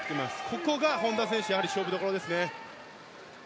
ここが本多選手の勝負どころですね。